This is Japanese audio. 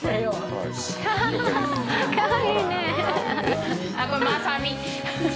かわいいねえ。